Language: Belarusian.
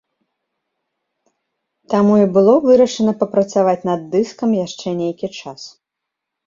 Таму і было вырашана папрацаваць нам дыскам яшчэ нейкі час.